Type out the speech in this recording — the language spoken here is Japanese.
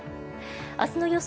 明日の予想